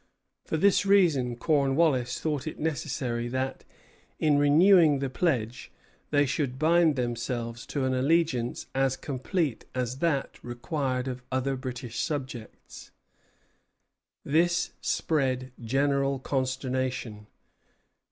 For this reason Cornwallis thought it necessary that, in renewing the pledge, they should bind themselves to an allegiance as complete as that required of other British subjects. This spread general consternation.